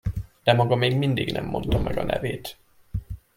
De maga még mindig nem mondta meg a nevét!